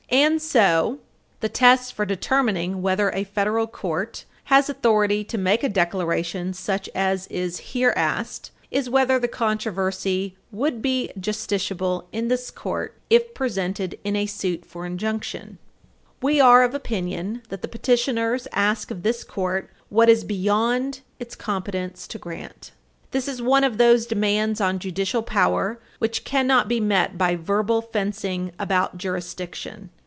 300. And so the test for determining whether a federal court has authority to make a declaration such as is here asked is whether the controversy "would be justiciable in this Court if presented in a suit for injunction ..." Nashville, C. & St.L. R. Co. v. Wallace, 288 U. S. 249, 288 U. S. 262. We are of opinion that the appellants ask of this Court what is beyond its competence to grant. This is one of those demands on judicial power which cannot be met by verbal fencing about "jurisdiction."